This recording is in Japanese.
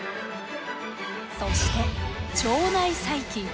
そして腸内細菌。